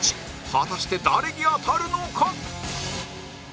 果たして誰に当たるのか？